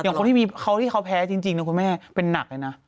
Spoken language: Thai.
คนที่มีเขาที่เขาแพ้จริงนะคุณแม่เป็นหนักเลยนะ